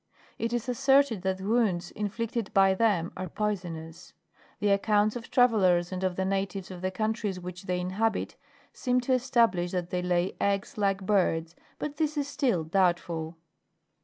It is asserted that wounds inflicted by them are poisonous. The accounts of travellers and of the natives of the countries which they inhabit, seem to establish that they lay eggs like birds ; but this is still doubtful.